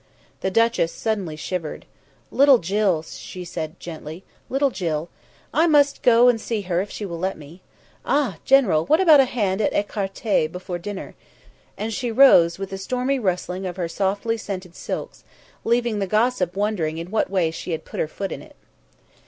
The duchess suddenly shivered. "Little Jill!" she said gently. "Little Jill! I must go and see her if she will let me. Ah! General, what about a hand at écarté before dinner?" and she rose with a stormy rustling of her softly scented silks, leaving the gossip wondering in what way she had put her foot in it.